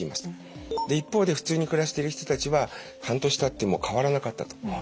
で一方で普通に暮らしている人たちは半年たっても変わらなかったと。